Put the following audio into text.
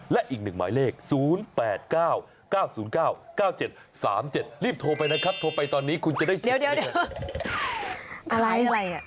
๐๙๙๓๕๖๒๐๖๒และอีกหนึ่งหมายเลข๐๘๙๙๐๙๙๗๓๗รีบโทรไปนะครับโทรไปตอนนี้คุณจะได้สิทธิ์